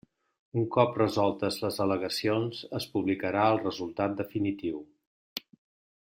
Un cop resoltes les al·legacions, es publicarà el resultat definiu.